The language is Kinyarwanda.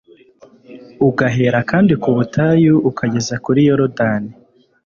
ugahera kandi ku butayu ukageza kuri yorudani